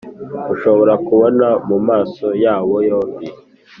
ushobora kubona mumaso yabo yombi